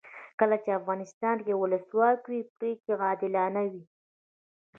کله چې افغانستان کې ولسواکي وي پرېکړې عادلانه وي.